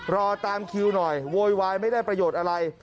รอตามคิวหน่อยโวยวายไม่ได้ประโยชน์อะไร